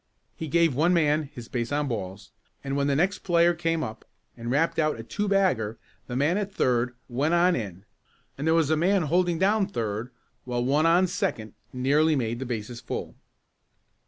He gave one man his base on balls, and when the next player came up, and rapped out a two bagger the man at third went on in, and there was a man holding down third while one on second nearly made the bases full.